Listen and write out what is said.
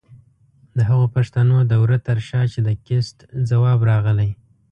د هغو پښتنو د وره تر شا چې د کېست ځواب راغلی؛